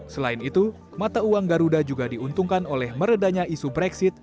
selain itu mata uang garuda juga diuntungkan oleh meredanya isu brexit